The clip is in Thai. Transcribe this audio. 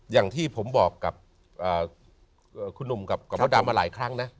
อย่างที่ผมบอกกับคุณหนุ่มกับมดดำมาหลายครั้งนะ